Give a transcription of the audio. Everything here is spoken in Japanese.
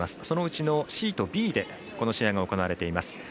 そのうちのシートＢでこの試合が行われています。